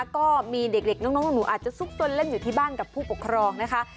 ก็มีเด็กน้องหนูอาจจะซุกซนเล่นอยู่ที่บ้านกับผู้ปกครองนะคะ